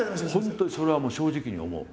本当にそれは正直に思う。